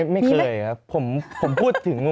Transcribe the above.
ไม่เคยครับผมพูดถึง